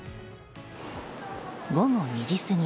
午後２時過ぎ